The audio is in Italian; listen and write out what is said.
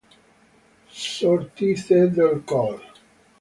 S. Ortiz e del col.